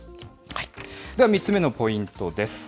では３つ目のポイントです。